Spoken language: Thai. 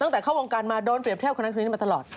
ตั้งแต่เข้าวงการมาโดนเปรียบเทียบคนนั้นคนนี้มาตลอด